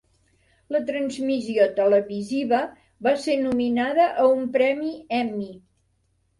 La transmissió televisiva va ser nominada a un premi Emmy.